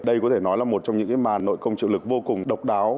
đây có thể nói là một trong những cái màn nội công triệu lực vô cùng độc đáo